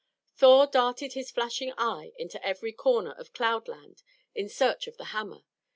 Thor darted his flashing eye into every corner of Cloud Land in search of the hammer.